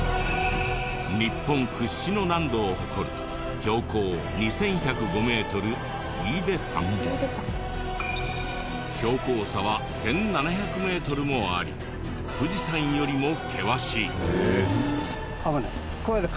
日本屈指の難度を誇る標高差は１７００メートルもあり富士山よりも険しい。